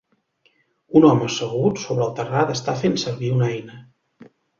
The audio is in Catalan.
Un home assegut sobre el terrat està fent servir una eina.